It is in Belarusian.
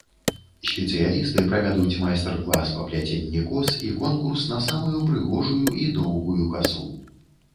Спецыялісты правядуць майстар-клас па пляценні кос і конкурс на самую прыгожую і доўгую касу.